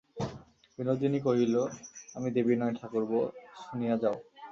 বিনোদিনী কহিল, আমি দেবী নই ঠাকুরপো, শুনিয়া যাও।